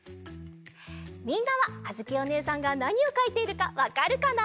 みんなはあづきおねえさんがなにをかいているかわかるかな？